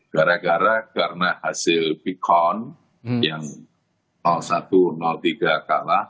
gara gara karena hasil quick count yang satu tiga kalah